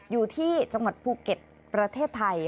อยู่ที่จังหวัดภูเก็ตประเทศไทย